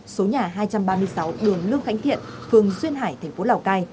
số nhà hai trăm ba mươi sáu đường lương khánh thiện phường duyên hải thành phố lào cai